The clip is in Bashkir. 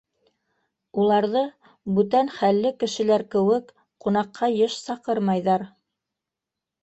Уларҙы, бүтән хәлле кешеләр кеүек, ҡунаҡҡа йыш саҡырмайҙар.